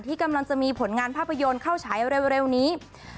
ที่กำลังจะมีผลงานภาพยนตร์เข้าฉายเร็วนี้